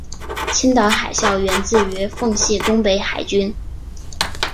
青岛海校源自于奉系东北海军。